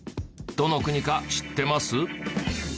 どの国か知ってます？